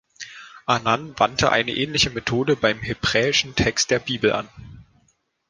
Anan wandte eine ähnliche Methode beim hebräischen Text der Bibel an.